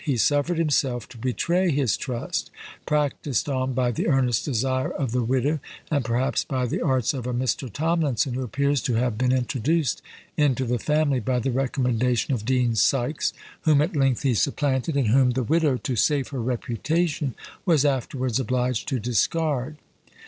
He suffered himself to betray his trust, practised on by the earnest desire of the widow, and perhaps by the arts of a Mr. Tomlinson, who appears to have been introduced into the family by the recommendation of Dean Sykes, whom at length he supplanted, and whom the widow, to save her reputation, was afterwards obliged to discard.